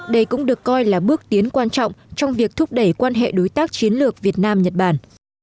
đây cũng được coi là bước tiến quan trọng trong việc thúc đẩy quan hệ đối tác chiến lược việt nam nhật bản